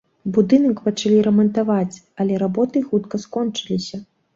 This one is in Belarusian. Будынак пачалі рамантаваць, але работы хутка скончыліся.